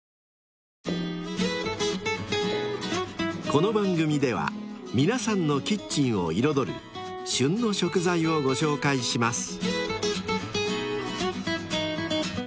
［この番組では皆さんのキッチンを彩る「旬の食材」をご紹介します］